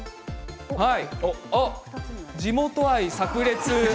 地元愛さく裂。